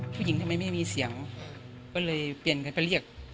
ผู้หญิงทำไมไม่มีเสียงก็เลยเปลี่ยนกันไปเรียก